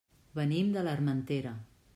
Venim de l'Armentera.